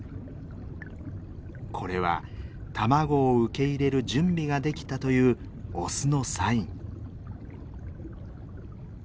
これは卵を受け入れる準備ができたというオスのサイン。